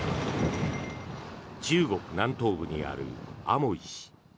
中国南東部にあるアモイ市。